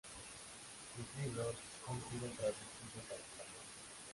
Sus libros han sido traducidos al español.